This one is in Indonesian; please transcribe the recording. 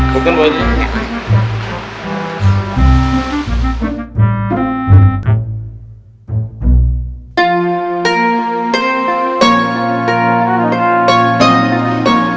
bukin pak haji